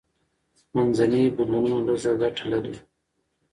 منځني بدلونونه لږه ګټه لري.